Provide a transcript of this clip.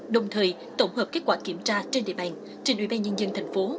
đồng thời tổng hợp kết quả kiểm tra trên địa bàn trình ủy ban nhân dân thành phố